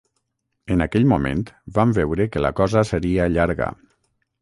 En aquell moment vam veure que la cosa seria llarga.